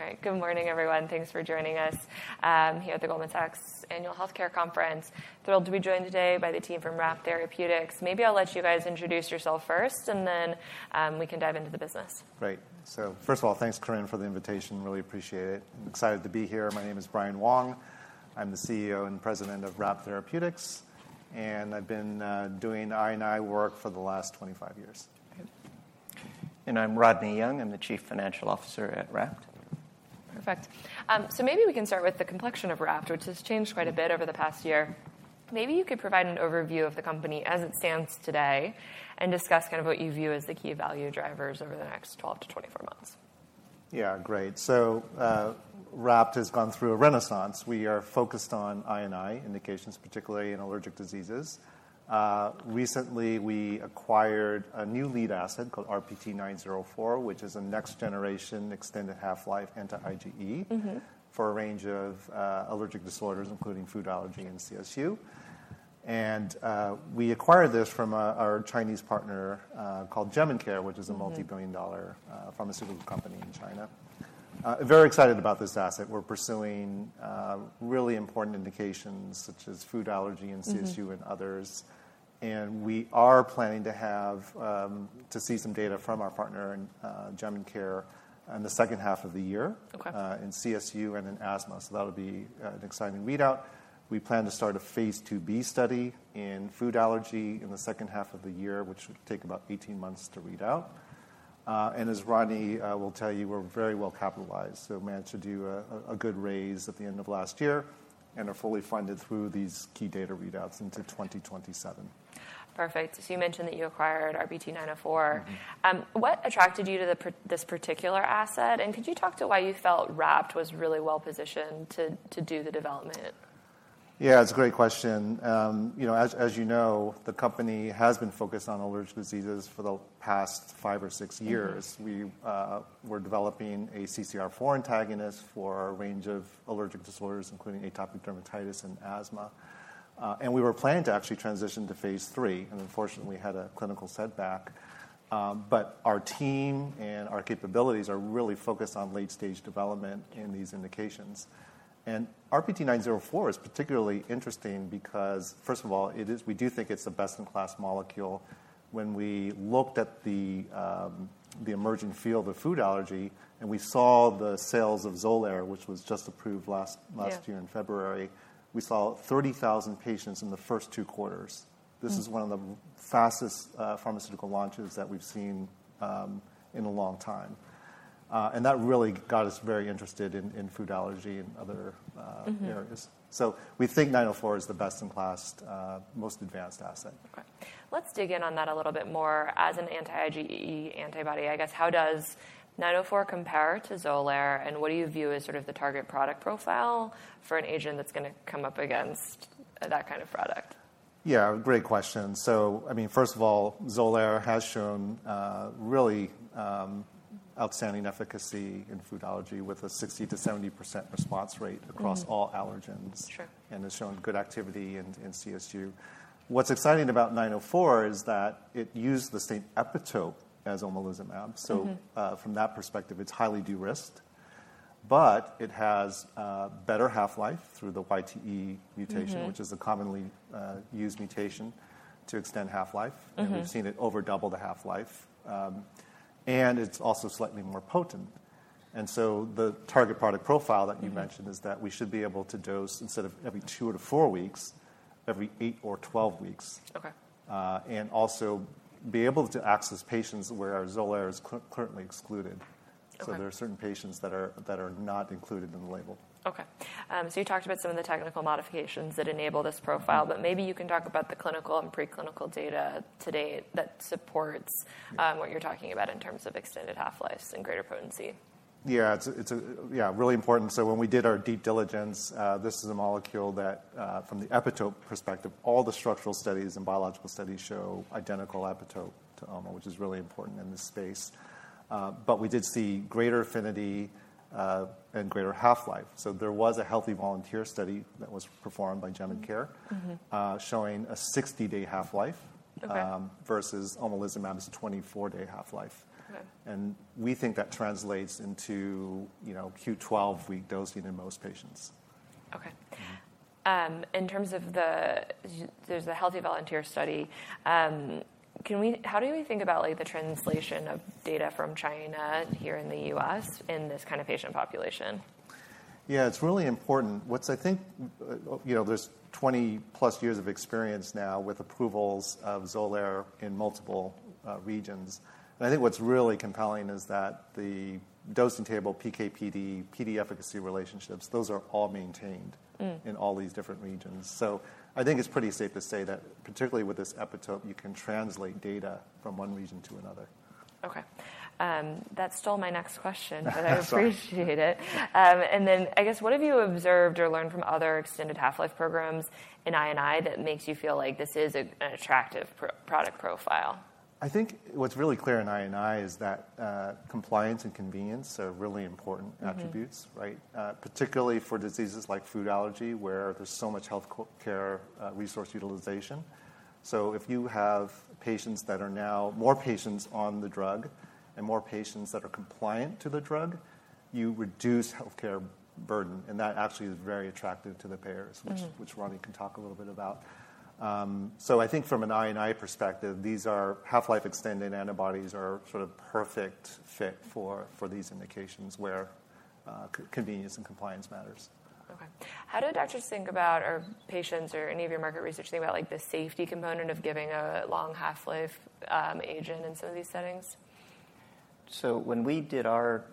All right, good morning, everyone. Thanks for joining us here at the Goldman Sachs Annual Healthcare Conference. Thrilled to be joined today by the team from RAPT Therapeutics. Maybe I'll let you guys introduce yourselves first, and then we can dive into the business. Great. First of all, thanks, Corinne, for the invitation. Really appreciate it. Excited to be here. My name is Brian Wong. I'm the CEO and President of RAPT Therapeutics, and I've been doing R&I work for the last 25 years. I'm Rodney Young. I'm the Chief Financial Officer at RAPT. Perfect. Maybe we can start with the complexion of RAPT, which has changed quite a bit over the past year. Maybe you could provide an overview of the company as it stands today and discuss kind of what you view as the key value drivers over the next 12 months-24 months. Yeah, great. RAPT has gone through a renaissance. We are focused on INI indications, particularly in allergic diseases. Recently, we acquired a new lead asset called RPT904, which is a next generation extended half-life anti-IgE for a range of allergic disorders, including food allergy and CSU. We acquired this from our Chinese partner called Jemincare, which is a multi-billion dollar pharmaceutical company in China. Very excited about this asset. We're pursuing really important indications, such as food allergy and CSU and others. We are planning to see some data from our partner, Jemincare, in the second half of the year in CSU and in asthma. That'll be an exciting readout. We plan to start a phase 2b study in food allergy in the second half of the year, which would take about 18 months to read out. As Rodney will tell you, we're very well capitalized. Managed to do a good raise at the end of last year and are fully funded through these key data readouts into 2027. Perfect. You mentioned that you acquired RPT904. What attracted you to this particular asset? Could you talk to why you felt RAPT was really well positioned to do the development? Yeah, it's a great question. As you know, the company has been focused on allergic diseases for the past five or six years. We were developing a CCR4 antagonist for a range of allergic disorders, including atopic dermatitis and asthma. We were planning to actually transition to phase III, and unfortunately, we had a clinical setback. Our team and our capabilities are really focused on late-stage development in these indications. RPT904 is particularly interesting because, first of all, we do think it's the best-in-class molecule. When we looked at the emerging field of food allergy and we saw the sales of Xolair, which was just approved last year in February, we saw 30,000 patients in the first two quarters. This is one of the fastest pharmaceutical launches that we've seen in a long time. That really got us very interested in food allergy and other areas. We think 904 is the best-in-class, most advanced asset. Let's dig in on that a little bit more. As an anti-IgE antibody, I guess, how does 904 compare to Xolair? And what do you view as sort of the target product profile for an agent that's going to come up against that kind of product? Yeah, great question. I mean, first of all, Xolair has shown really outstanding efficacy in food allergy with a 60%-70% response rate across all allergens and has shown good activity in CSU. What's exciting about 904 is that it uses the same epitope as omalizumab. From that perspective, it's highly de-risked. It has better half-life through the YTE mutation, which is a commonly used mutation to extend half-life. We've seen it over double the half-life. It's also slightly more potent. The target product profile that you mentioned is that we should be able to dose instead of every two or four weeks, every eight or 12 weeks, and also be able to access patients where Xolair is currently excluded. There are certain patients that are not included in the label. Okay. So you talked about some of the technical modifications that enable this profile, but maybe you can talk about the clinical and preclinical data to date that supports what you're talking about in terms of extended half-life and greater potency. Yeah, it's really important. When we did our deep diligence, this is a molecule that, from the epitope perspective, all the structural studies and biological studies show identical epitope to oma, which is really important in this space. We did see greater affinity and greater half-life. There was a healthy volunteer study that was performed by Jemincare showing a 60-day half-life versus omalizumab is a 24-day half-life. We think that translates into Q12W dosing in most patients. Okay. In terms of the healthy volunteer study, how do you think about the translation of data from China here in the U.S. in this kind of patient population? Yeah, it's really important. I think there's 20-plus years of experience now with approvals of Xolair in multiple regions. I think what's really compelling is that the dosing table, PK/PD, PD efficacy relationships, those are all maintained in all these different regions. I think it's pretty safe to say that, particularly with this epitope, you can translate data from one region to another. Okay. That stole my next question, but I appreciate it. I guess, what have you observed or learned from other extended half-life programs in INI that makes you feel like this is an attractive product profile? I think what's really clear in INI is that compliance and convenience are really important attributes, right? Particularly for diseases like food allergy, where there's so much healthcare resource utilization. If you have patients that are now more patients on the drug and more patients that are compliant to the drug, you reduce healthcare burden. That actually is very attractive to the payers, which Rodney can talk a little bit about. I think from an INI perspective, these half-life extended antibodies are sort of a perfect fit for these indications where convenience and compliance matters. Okay. How do doctors think about, or patients or any of your market research think about the safety component of giving a long half-life agent in some of these settings? When we did our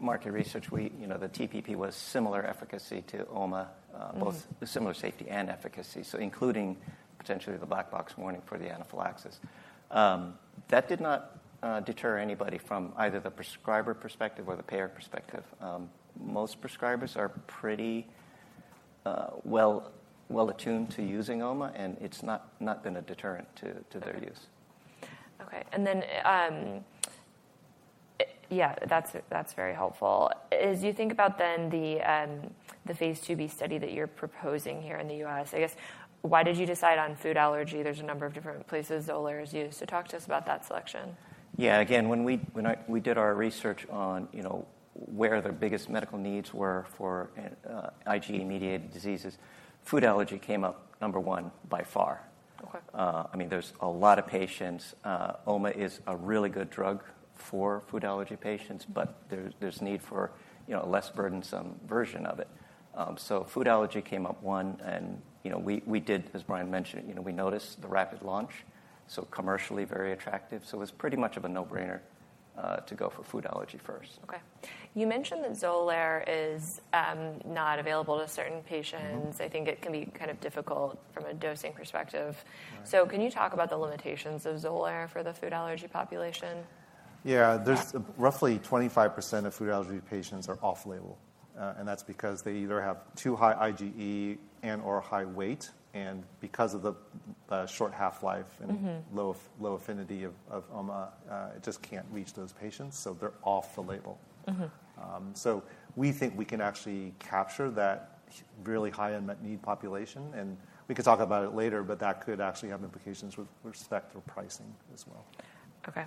market research, the TPP was similar efficacy to oma, both similar safety and efficacy, so including potentially the black box warning for the anaphylaxis. That did not deter anybody from either the prescriber perspective or the payer perspective. Most prescribers are pretty well attuned to using oma, and it's not been a deterrent to their use. Okay. Yeah, that's very helpful. As you think about then the phase 2B study that you're proposing here in the US, I guess, why did you decide on food allergy? There's a number of different places Xolair is used. Talk to us about that selection. Yeah, again, when we did our research on where the biggest medical needs were for IgE-mediated diseases, food allergy came up number one by far. I mean, there's a lot of patients. oma is a really good drug for food allergy patients, but there's need for a less burdensome version of it. Food allergy came up one. And we did, as Brian mentioned, we noticed the rapid launch, so commercially very attractive. It was pretty much of a no-brainer to go for food allergy first. Okay. You mentioned that Xolair is not available to certain patients. I think it can be kind of difficult from a dosing perspective. Can you talk about the limitations of Xolair for the food allergy population? Yeah, roughly 25% of food allergy patients are off-label. That's because they either have too high IgE and/or high weight. Because of the short half-life and low affinity of oma, it just can't reach those patients, so they're off the label. We think we can actually capture that really high unmet need population. We could talk about it later, but that could actually have implications with respect to pricing as well. Okay.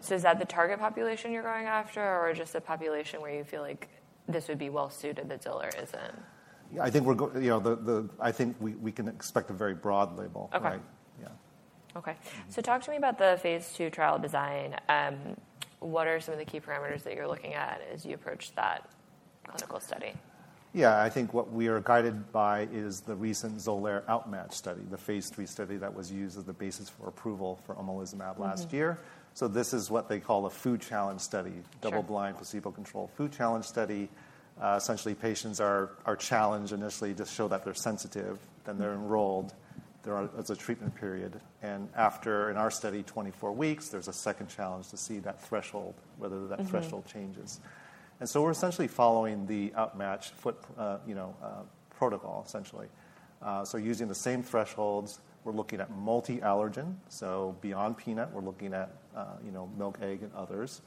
So is that the target population you're going after, or just the population where you feel like this would be well suited that Xolair isn't? I think we can expect a very broad label. Okay. So talk to me about the phase II trial design. What are some of the key parameters that you're looking at as you approach that clinical study? Yeah, I think what we are guided by is the recent Xolair outmatch study, the phase III study that was used as the basis for approval for omalizumab last year. This is what they call a food challenge study, double-blind placebo-controlled food challenge study. Essentially, patients are challenged initially to show that they're sensitive. Then they're enrolled. There is a treatment period. After, in our study, 24 weeks, there's a second challenge to see that threshold, whether that threshold changes. We are essentially following the outmatch protocol, essentially. Using the same thresholds, we're looking at multi-allergen. Beyond peanut, we're looking at milk, egg, and others.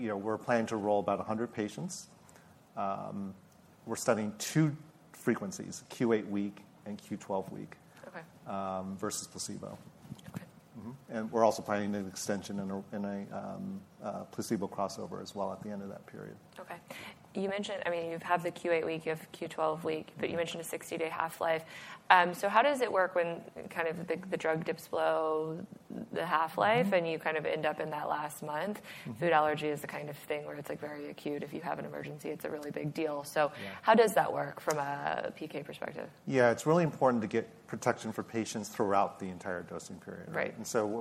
We're planning to roll about 100 patients. We're studying two frequencies, Q8W and Q12W versus placebo. We're also planning an extension and a placebo crossover as well at the end of that period. Okay. I mean, you've had the Q8W, you have Q12W, but you mentioned a 60-day half-life. So how does it work when kind of the drug dips below the half-life and you kind of end up in that last month? Food allergy is the kind of thing where it's very acute. If you have an emergency, it's a really big deal. So how does that work from a PK perspective? Yeah, it's really important to get protection for patients throughout the entire dosing period.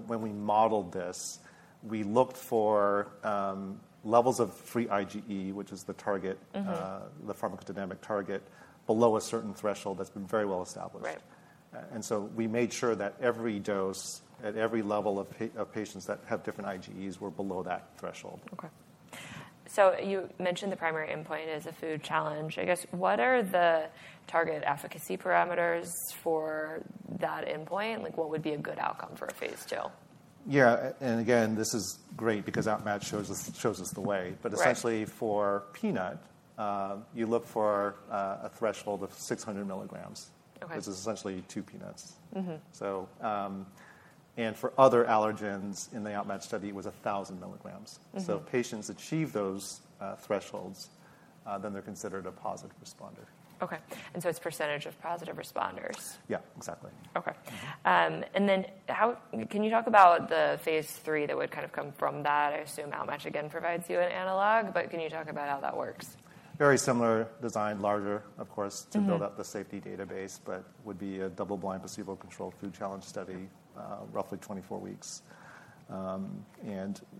When we modeled this, we looked for levels of free IgE, which is the pharmacodynamic target, below a certain threshold that's been very well established. We made sure that every dose at every level of patients that have different IgEs were below that threshold. Okay. So you mentioned the primary endpoint is a food challenge. I guess, what are the target efficacy parameters for that endpoint? What would be a good outcome for a phase II? Yeah. This is great because outmatch shows us the way. Essentially, for peanut, you look for a threshold of 600 milligrams, which is essentially two peanuts. For other allergens in the outmatch study, it was 1,000 milligrams. If patients achieve those thresholds, then they're considered a positive responder. Okay. And so it's percentage of positive responders. Yeah, exactly. Okay. Can you talk about the phase III that would kind of come from that? I assume outmatch again provides you an analog, but can you talk about how that works? Very similar design, larger, of course, to build up the safety database, but would be a double-blind placebo-controlled food challenge study, roughly 24 weeks.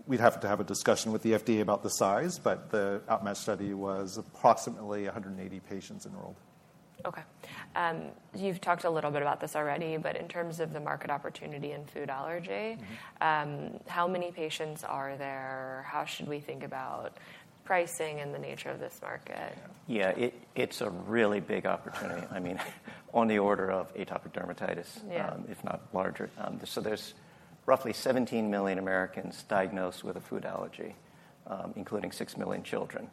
We'd have to have a discussion with the FDA about the size, but the outmatch study was approximately 180 patients enrolled. Okay. You've talked a little bit about this already, but in terms of the market opportunity in food allergy, how many patients are there? How should we think about pricing and the nature of this market? Yeah, it's a really big opportunity. I mean, on the order of atopic dermatitis, if not larger. There's roughly 17 million Americans diagnosed with a food allergy, including 6 million children.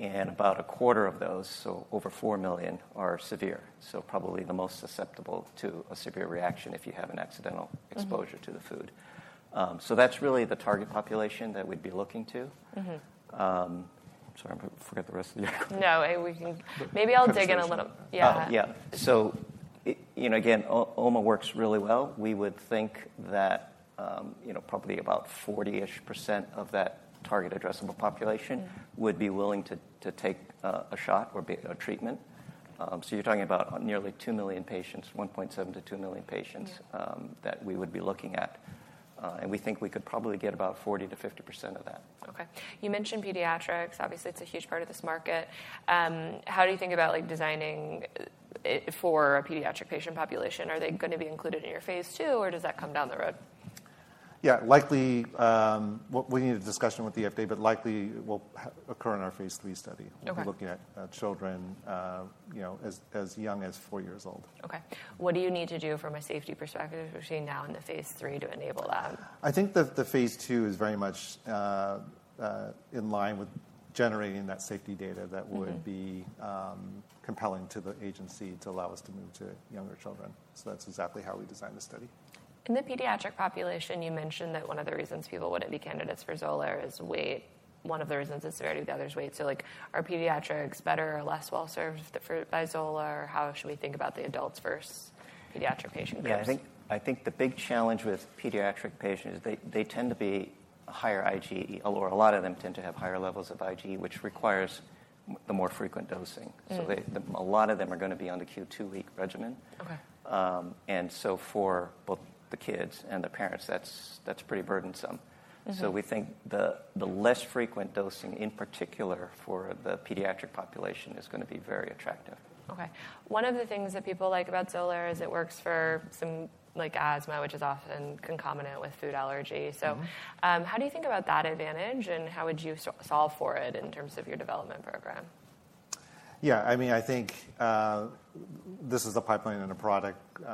About a quarter of those, so over 4 million, are severe, so probably the most susceptible to a severe reaction if you have an accidental exposure to the food. That's really the target population that we'd be looking to. Sorry, I forgot the rest of the article. No, maybe I'll dig in a little. Yeah. Yeah. Oma works really well. We would think that probably about 40% of that target addressable population would be willing to take a shot or a treatment. You're talking about nearly 2 million patients, 1.7 million-2 million patients that we would be looking at. We think we could probably get about 40%-50% of that. Okay. You mentioned pediatrics. Obviously, it's a huge part of this market. How do you think about designing for a pediatric patient population? Are they going to be included in your phase II, or does that come down the road? Yeah, likely we need a discussion with the FDA, but likely will occur in our phase III study. We're looking at children as young as four years old. Okay. What do you need to do from a safety perspective between now and the phase III to enable that? I think the phase II is very much in line with generating that safety data that would be compelling to the agency to allow us to move to younger children. That is exactly how we designed the study. In the pediatric population, you mentioned that one of the reasons people would not be candidates for Xolair is weight. One of the reasons is severity, the other is weight. Are pediatrics better or less well served by Xolair? How should we think about the adults versus pediatric patient groups? Yeah, I think the big challenge with pediatric patients is they tend to be higher IgE, or a lot of them tend to have higher levels of IgE, which requires the more frequent dosing. A lot of them are going to be on the Q2W regimen. For both the kids and the parents, that's pretty burdensome. We think the less frequent dosing, in particular for the pediatric population, is going to be very attractive. Okay. One of the things that people like about Xolair is it works for some asthma, which is often concomitant with food allergy. How do you think about that advantage, and how would you solve for it in terms of your development program? Yeah, I mean, I think this is a pipeline and a product-type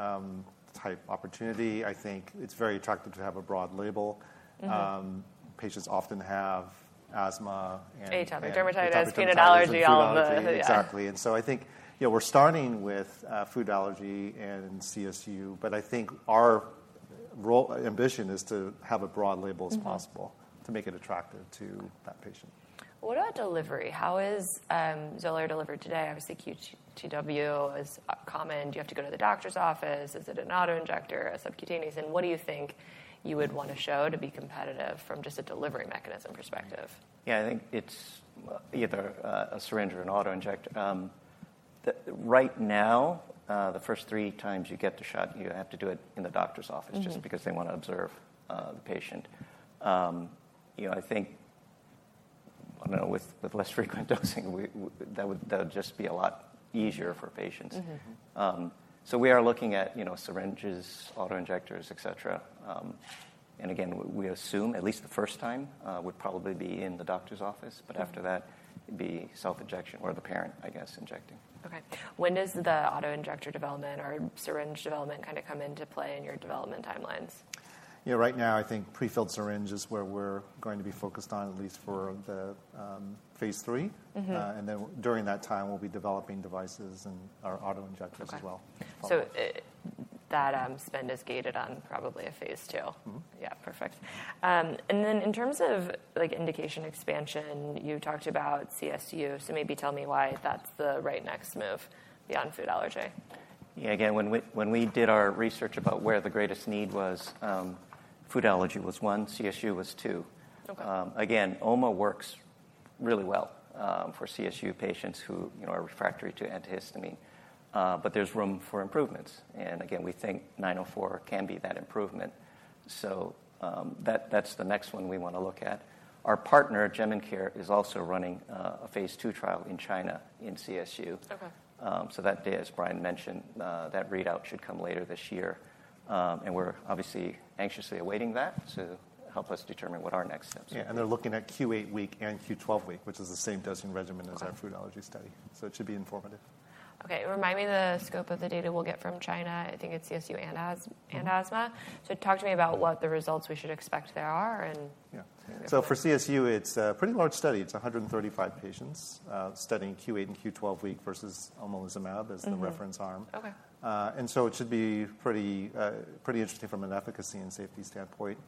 opportunity. I think it's very attractive to have a broad label. Patients often have asthma and. Atopic dermatitis, peanut allergy, all of the. Exactly. I think we're starting with food allergy and CSU, but I think our ambition is to have a broad label as possible to make it attractive to that patient. What about delivery? How is Xolair delivered today? Obviously, Q2W is common. Do you have to go to the doctor's office? Is it an auto injector, a subcutaneous? What do you think you would want to show to be competitive from just a delivery mechanism perspective? Yeah, I think it's either a syringe or an auto injector. Right now, the first three times you get the shot, you have to do it in the doctor's office just because they want to observe the patient. I think with less frequent dosing, that would just be a lot easier for patients. We are looking at syringes, auto injectors, etc. Again, we assume at least the first time would probably be in the doctor's office, but after that, it'd be self-injection or the parent, I guess, injecting. Okay. When does the auto injector development or syringe development kind of come into play in your development timelines? Yeah, right now, I think prefilled syringe is where we're going to be focused on, at least for the phase III. And then during that time, we'll be developing devices and our auto injectors as well. Okay. So that spend is gated on probably a phase II. Yeah, perfect. And then in terms of indication expansion, you talked about CSU, so maybe tell me why that's the right next move beyond food allergy. Yeah, again, when we did our research about where the greatest need was, food allergy was one, CSU was two. Again, oma works really well for CSU patients who are refractory to antihistamine, but there's room for improvements. We think 904 can be that improvement. That's the next one we want to look at. Our partner, Jemincare, is also running a phase II trial in China in CSU. As Brian mentioned, that readout should come later this year. We're obviously anxiously awaiting that to help us determine what our next steps are. Yeah, and they're looking at Q8W and Q12W, which is the same dosing regimen as our food allergy study. It should be informative. Okay. Remind me the scope of the data we'll get from China. I think it's CSU and asthma. Talk to me about what the results we should expect there are. Yeah. For CSU, it's a pretty large study. It's 135 patients studying Q8W and Q12W versus omalizumab as the reference arm. It should be pretty interesting from an efficacy and safety standpoint.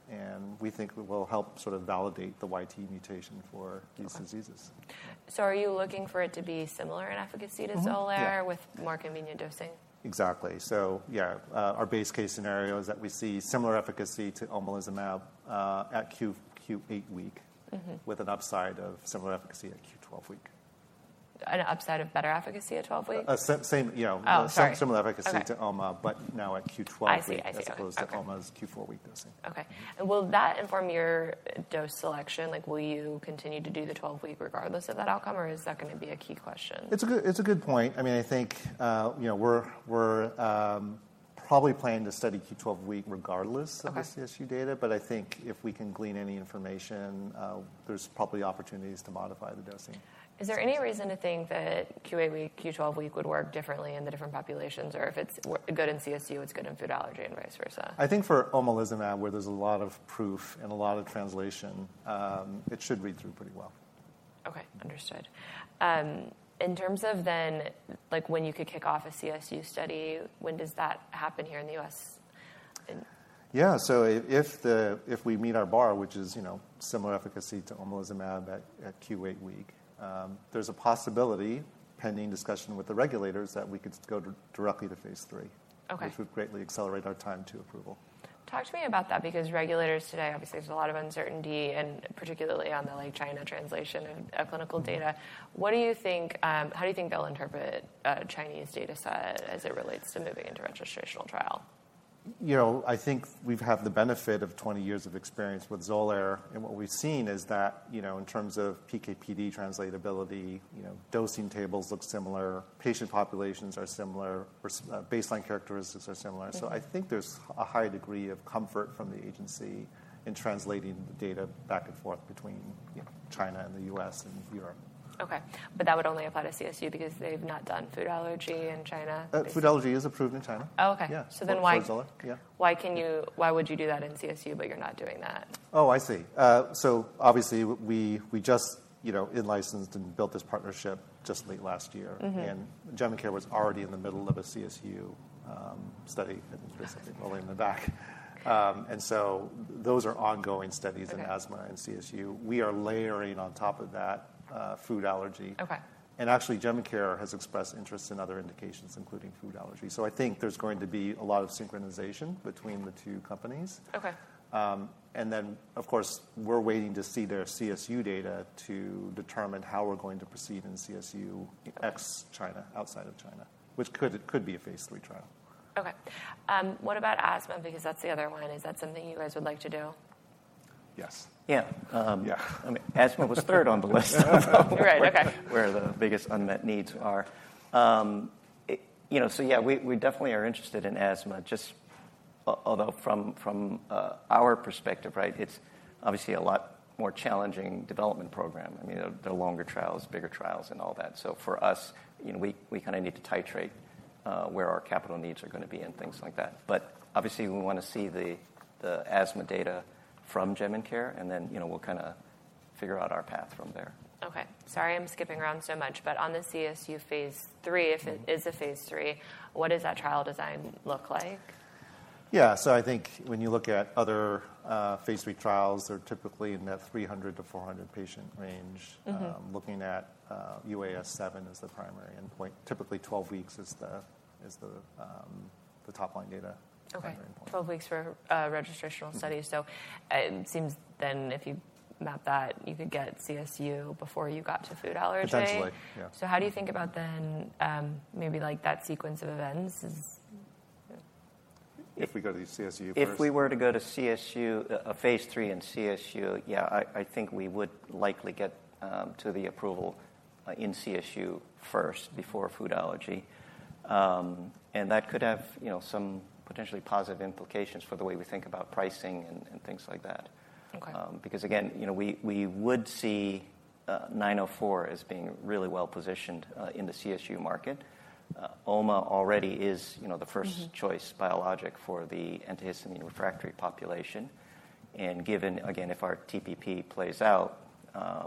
We think it will help sort of validate the YTE mutation for these diseases. Are you looking for it to be similar in efficacy to Xolair with more convenient dosing? Exactly. So yeah, our base case scenario is that we see similar efficacy to omalizumab at Q8W with an upside of similar efficacy at Q12W. An upside of better efficacy at 12 weeks? Yeah, similar efficacy to oma, but now at Q12W as opposed to oma's Q4W dosing. Okay. Will that inform your dose selection? Will you continue to do the 12 week regardless of that outcome, or is that going to be a key question? It's a good point. I mean, I think we're probably planning to study Q12W regardless of the CSU data, but I think if we can glean any information, there's probably opportunities to modify the dosing. Is there any reason to think that Q8W, Q12W would work differently in the different populations, or if it's good in CSU, it's good in food allergy and vice versa? I think for omalizumab, where there's a lot of proof and a lot of translation, it should read through pretty well. Okay, understood. In terms of then when you could kick off a CSU study, when does that happen here in the U.S.? Yeah, so if we meet our bar, which is similar efficacy to omalizumab at Q8W, there's a possibility, pending discussion with the regulators, that we could go directly to phase III, which would greatly accelerate our time to approval. Talk to me about that because regulators today, obviously, there's a lot of uncertainty, and particularly on the China translation of clinical data. What do you think? How do you think they'll interpret a Chinese data set as it relates to moving into registrational trial? I think we have the benefit of 20 years of experience with Xolair, and what we've seen is that in terms of PK/PD translatability, dosing tables look similar, patient populations are similar, baseline characteristics are similar. I think there's a high degree of comfort from the agency in translating the data back and forth between China and the U.S. and Europe. Okay. But that would only apply to CSU because they've not done food allergy in China? Food allergy is approved in China. Oh, okay. So then why? Yeah. Why would you do that in CSU, but you're not doing that? Oh, I see. Obviously, we just licensed and built this partnership just late last year, and Jemincare was already in the middle of a CSU study, I think there's something really in the back. Those are ongoing studies in asthma and CSU. We are layering on top of that food allergy. Actually, Jemincare has expressed interest in other indications, including food allergy. I think there's going to be a lot of synchronization between the two companies. Of course, we're waiting to see their CSU data to determine how we're going to proceed in CSU ex-China, outside of China, which could be a phase III trial. Okay. What about asthma? Because that's the other one. Is that something you guys would like to do? Yes. Yeah. Yeah, asthma was third on the list. Right, okay. Where the biggest unmet needs are. Yeah, we definitely are interested in asthma, just although from our perspective, right, it's obviously a lot more challenging development program. I mean, there are longer trials, bigger trials, and all that. For us, we kind of need to titrate where our capital needs are going to be and things like that. Obviously, we want to see the asthma data from Jemincare, and then we'll kind of figure out our path from there. Okay. Sorry, I'm skipping around so much, but on the CSU phase III, if it is a phase III, what does that trial design look like? Yeah, so I think when you look at other phase III trials, they're typically in that 300 patient-400 patient range. Looking at UAS7 as the primary endpoint, typically 12 weeks is the top line data. Okay. 12 weeks for registrational studies. So it seems then if you map that, you could get CSU before you got to food allergy. Potentially, yeah. How do you think about then maybe that sequence of events? If we go to CSU first. If we were to go to CSU, a phase III in CSU, yeah, I think we would likely get to the approval in CSU first before food allergy. That could have some potentially positive implications for the way we think about pricing and things like that. Because again, we would see 904 as being really well positioned in the CSU market. Oma already is the first choice biologic for the antihistamine refractory population. Given, again, if our TPP plays out,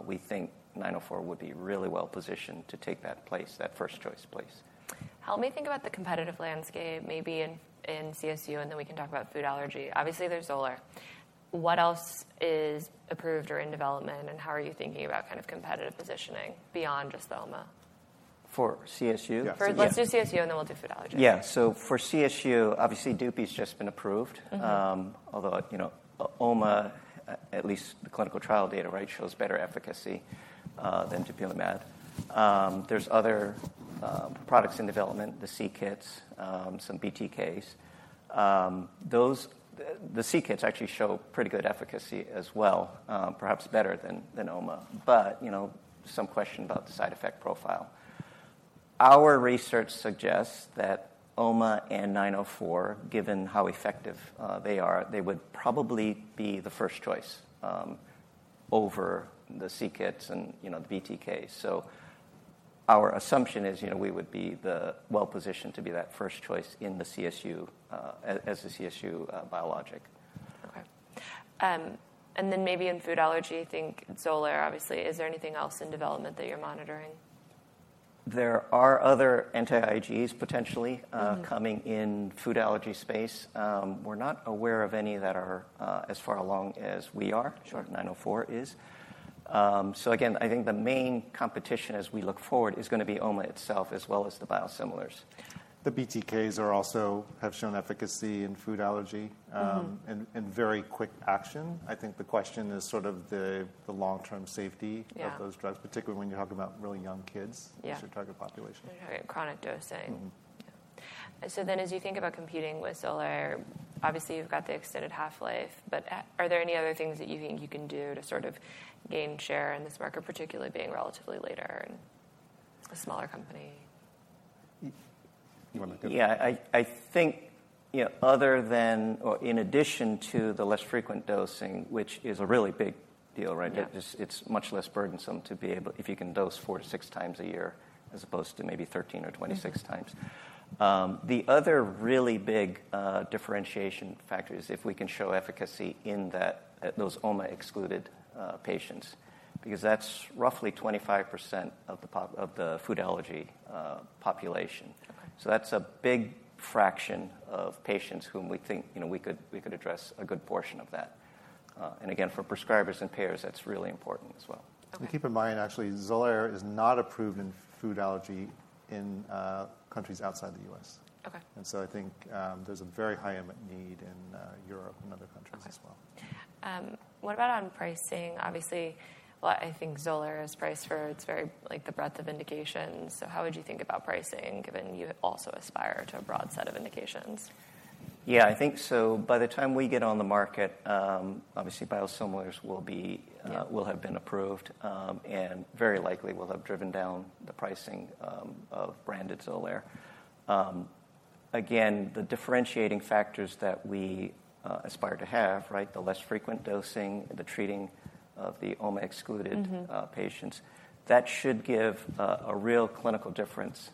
we think 904 would be really well positioned to take that place, that first choice place. Help me think about the competitive landscape maybe in CSU, and then we can talk about food allergy. Obviously, there's Xolair. What else is approved or in development, and how are you thinking about kind of competitive positioning beyond just the oma? For CSU? Let's do CSU, and then we'll do food allergy. Yeah. For CSU, obviously, DUPI has just been approved, although oma, at least the clinical trial data, right, shows better efficacy than dupilumab. There are other products in development, the c-Kits, some BTKs. The c-Kits actually show pretty good efficacy as well, perhaps better than oma, but some question about the side effect profile. Our research suggests that oma and 904, given how effective they are, they would probably be the first choice over the c-Kits and the BTK. Our assumption is we would be well positioned to be that first choice in the CSU as the CSU biologic. Okay. And then maybe in food allergy, I think Xolair, obviously. Is there anything else in development that you're monitoring? There are other anti-IgEs potentially coming in food allergy space. We're not aware of any that are as far along as we are, short of 904 is. I think the main competition as we look forward is going to be oma itself as well as the biosimilars. The BTKs have shown efficacy in food allergy and very quick action. I think the question is sort of the long-term safety of those drugs, particularly when you're talking about really young kids as your target population. Chronic dosing. As you think about competing with Xolair, obviously you've got the extended half-life, but are there any other things that you think you can do to sort of gain share in this market, particularly being relatively later and a smaller company? You want to look at? Yeah, I think other than or in addition to the less frequent dosing, which is a really big deal, right? It's much less burdensome to be able if you can dose four times-six times a year as opposed to maybe 13 or 26 times. The other really big differentiation factor is if we can show efficacy in those oma-excluded patients because that's roughly 25% of the food allergy population. That's a big fraction of patients whom we think we could address a good portion of that. Again, for prescribers and payers, that's really important as well. Keep in mind, actually, Xolair is not approved in food allergy in countries outside the U.S. I think there's a very high imminent need in Europe and other countries as well. What about on pricing? Obviously, I think Xolair is priced for the breadth of indications. How would you think about pricing given you also aspire to a broad set of indications? Yeah, I think so by the time we get on the market, obviously biosimilars will have been approved and very likely will have driven down the pricing of branded Xolair. Again, the differentiating factors that we aspire to have, right, the less frequent dosing and the treating of the oma-excluded patients, that should give a real clinical difference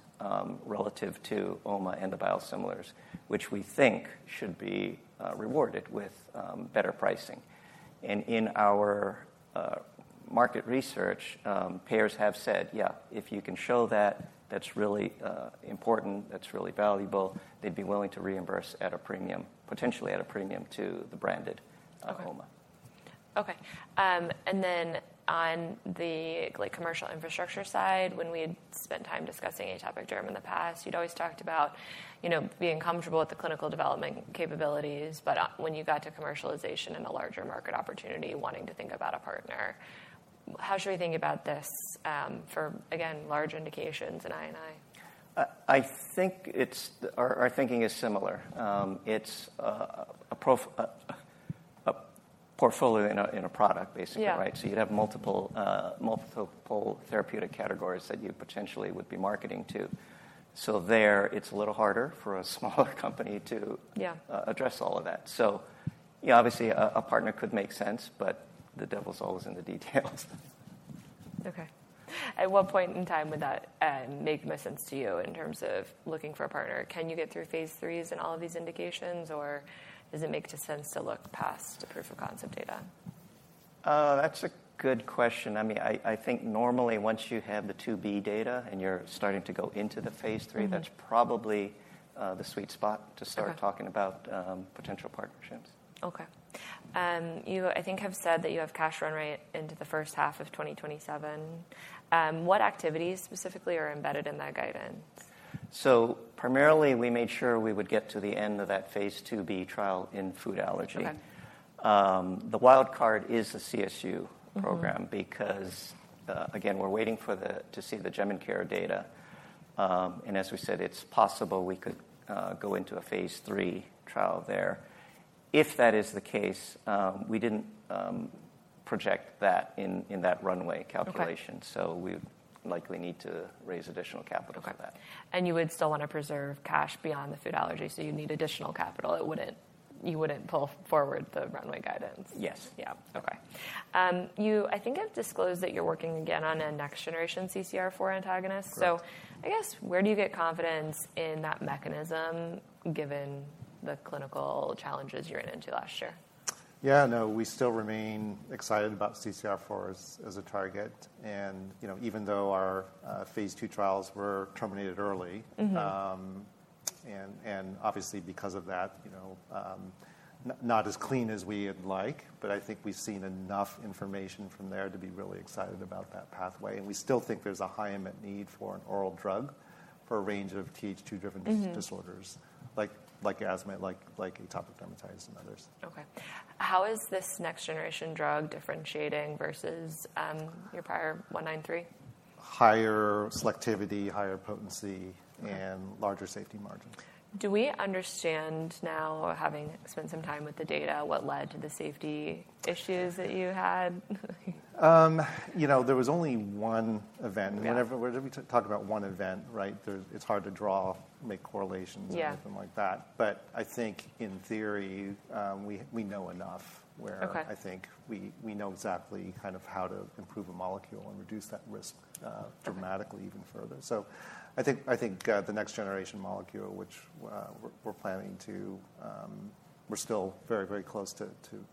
relative to oma and the biosimilars, which we think should be rewarded with better pricing. In our market research, payers have said, yeah, if you can show that that's really important, that's really valuable, they'd be willing to reimburse at a premium, potentially at a premium to the branded oma. Okay. And then on the commercial infrastructure side, when we had spent time discussing atopic derm in the past, you'd always talked about being comfortable with the clinical development capabilities, but when you got to commercialization and a larger market opportunity, wanting to think about a partner, how should we think about this for, again, large indications and INI? I think our thinking is similar. It's a portfolio in a product, basically, right? You'd have multiple therapeutic categories that you potentially would be marketing to. There, it's a little harder for a smaller company to address all of that. Obviously, a partner could make sense, but the devil's always in the details. Okay. At what point in time would that make more sense to you in terms of looking for a partner? Can you get through phase III and all of these indications, or does it make sense to look past the proof of concept data? That's a good question. I mean, I think normally once you have the 2b data and you're starting to go into the phase III, that's probably the sweet spot to start talking about potential partnerships. Okay. You, I think, have said that you have cash run rate into the first half of 2027. What activities specifically are embedded in that guidance? Primarily, we made sure we would get to the end of that phase 2b trial in food allergy. The wild card is the CSU program because, again, we're waiting to see the Jemincare data. As we said, it's possible we could go into a phase III trial there. If that is the case, we didn't project that in that runway calculation, so we likely need to raise additional capital for that. Okay. You would still want to preserve cash beyond the food allergy, so you'd need additional capital. You wouldn't pull forward the runway guidance? Yes. Yeah. Okay. You, I think, have disclosed that you're working again on a next-generation CCR4 antagonist. So I guess where do you get confidence in that mechanism given the clinical challenges you ran into last year? Yeah, no, we still remain excited about CCR4 as a target. Even though our phase II trials were terminated early, and obviously because of that, not as clean as we'd like, I think we've seen enough information from there to be really excited about that pathway. We still think there's a high imminent need for an oral drug for a range of TH2-driven disorders like asthma, like atopic dermatitis and others. Okay. How is this next generation drug differentiating versus your prior 193? Higher selectivity, higher potency, and larger safety margins. Do we understand now, having spent some time with the data, what led to the safety issues that you had? You know, there was only one event. We talk about one event, right? It's hard to draw, make correlations or anything like that. I think in theory, we know enough where I think we know exactly kind of how to improve a molecule and reduce that risk dramatically even further. I think the next generation molecule, which we're planning to, we're still very, very close to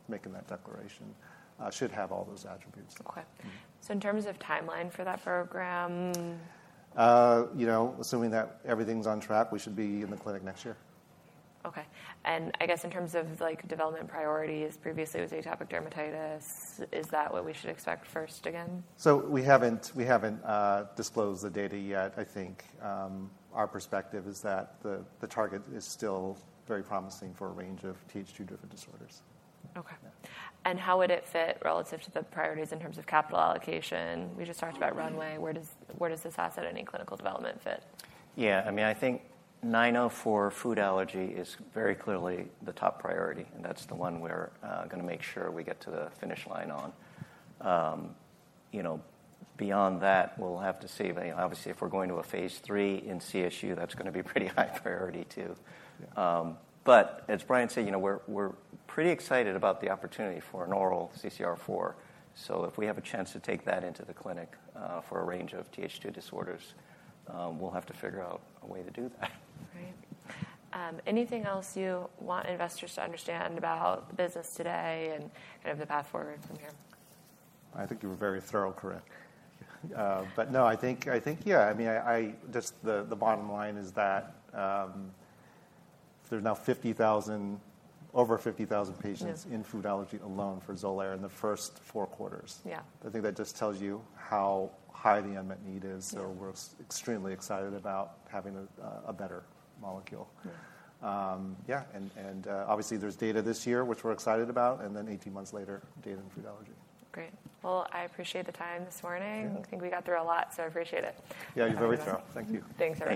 making that declaration, should have all those attributes. Okay. So in terms of timeline for that program? You know, assuming that everything's on track, we should be in the clinic next year. Okay. I guess in terms of development priorities, previously it was atopic dermatitis. Is that what we should expect first again? We haven't disclosed the data yet. I think our perspective is that the target is still very promising for a range of TH2-driven disorders. Okay. How would it fit relative to the priorities in terms of capital allocation? We just talked about runway. Where does this asset in any clinical development fit? Yeah. I mean, I think 904 food allergy is very clearly the top priority, and that's the one we're going to make sure we get to the finish line on. Beyond that, we'll have to see. I mean, obviously, if we're going to a phase III in CSU, that's going to be pretty high priority too. As Brian said, you know, we're pretty excited about the opportunity for an oral CCR4. If we have a chance to take that into the clinic for a range of TH2 disorders, we'll have to figure out a way to do that. Right. Anything else you want investors to understand about the business today and kind of the path forward from here? I think you were very thorough, Corinne. No, I think, yeah, I mean, just the bottom line is that there's now over 50,000 patients in food allergy alone for Xolair in the first four quarters. I think that just tells you how high the unmet need is. We are extremely excited about having a better molecule. Yeah. Obviously, there's data this year, which we're excited about, and then 18 months later, data in food allergy. Great. I appreciate the time this morning. I think we got through a lot, so I appreciate it. Yeah, you're very thorough. Thank you. Thanks again.